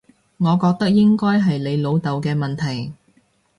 我覺得應該係你老豆嘅問題